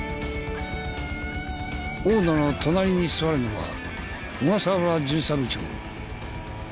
大野の隣に座るのは小笠原巡査部長。